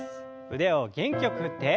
腕を元気よく振って。